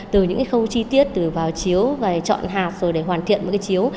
từ những cái khâu chi tiết từ vào chiếu và chọn hạt rồi để hoàn thiện mấy cái chiếu